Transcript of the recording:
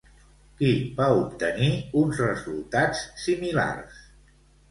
Qui va obtenir uns resultats similars?